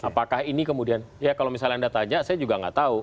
apakah ini kemudian ya kalau misalnya anda tanya saya juga nggak tahu